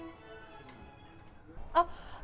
あっ。